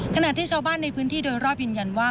ขณะที่ชาวบ้านในพื้นที่โดยรอบยืนยันว่า